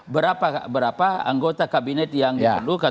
berapa anggota kabinet yang diperlukan